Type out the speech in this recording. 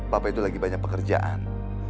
papa itu lagi banyak pekerjaan